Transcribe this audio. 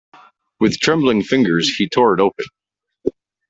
With trembling fingers he tore it open.